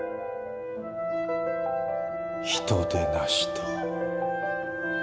「人でなし」と。